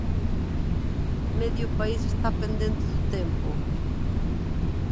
Medio país está pendente do tempo.